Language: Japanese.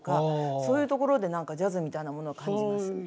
そういうところで何かジャズみたいなものを感じますね。